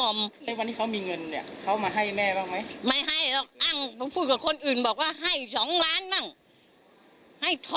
วันนี้เขามีเงินเขามาให้แม่บ้างไหม